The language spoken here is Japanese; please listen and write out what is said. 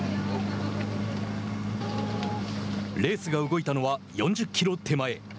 レースが動いたのは４０キロ手前。